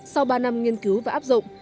sau ba năm nghiên cứu và áp dụng